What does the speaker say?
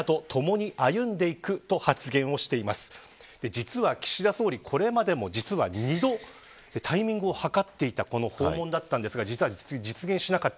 実は岸田総理、これまでも２度タイミングを図っていた訪問だったんですが実現しなかった。